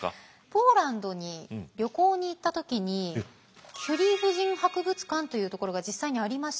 ポーランドに旅行に行った時にキュリー夫人博物館というところが実際にありまして。